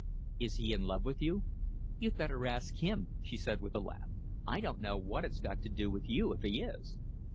"Is he in love with you?" "You'd better ask him," she said, with a laugh. "I don't know what it's got to do with you if he is."